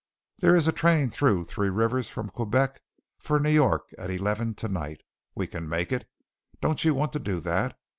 There is a train through Three Rivers from Quebec for New York at eleven tonight. We can make it. Don't you want to do that?